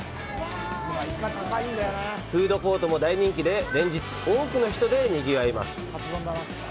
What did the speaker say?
フードコートも大人気で、連日、多くの人でにぎわいます。